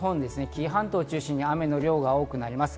紀伊半島を中心に雨の量が多くなります。